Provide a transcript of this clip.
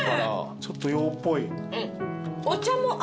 ちょっと洋っぽい。